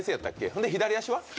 そんで左足は？